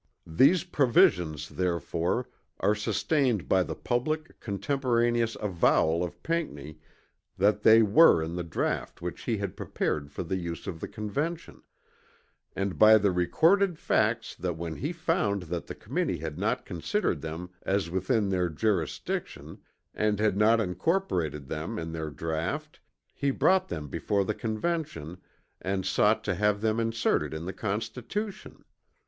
These provisions, therefore, are sustained by the public, contemporaneous avowal of Pinckney that they were in the draught which he had prepared for the use of the Convention; and by the recorded facts that when he found that the committee had not considered them as within their jurisdiction and had not incorporated them in their draught he brought them before the Convention and sought to have them inserted in the Constitution.